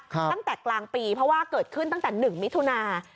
ตั้งแต่กลางปีเพราะว่าเกิดขึ้นตั้งแต่๑มิถุนา